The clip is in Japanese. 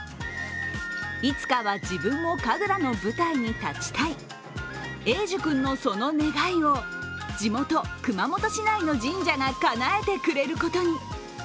「いつかは自分も神楽の舞台に立ちたい」、栄樹君のその願いを地元・熊本市内の神社がかなえてくれることに。